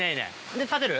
で立てる？